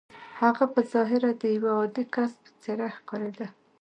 هغه په ظاهره د يوه عادي کس په څېر ښکارېده.